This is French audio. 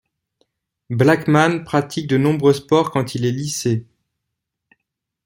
Blackman pratique de nombreux sports quand il est lycée.